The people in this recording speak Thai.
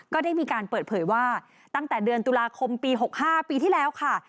ก็ได้มีการเปิดเผยว่าตั้งแต่เดือนตุลาคมปี๖๕ปีที่แล้วค่ะ